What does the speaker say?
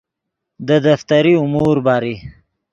دے دفتری امور باری